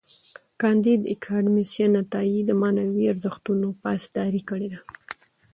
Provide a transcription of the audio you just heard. کانديد اکاډميسن عطایي د معنوي ارزښتونو پاسداري کړې ده.